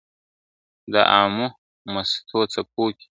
د آمو مستو څپوکي !.